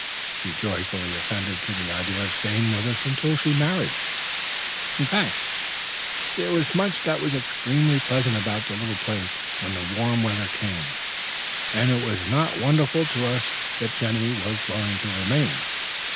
She joyfully assented to the idea of staying with us till she married. In fact, there was much that was extremely pleasant about the little place when the warm weather came, and it was not wonderful to us that Jenny was willing to remain.